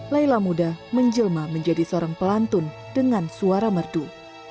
laila muda menjelma menjadi seorang pelantun dengan suara merdu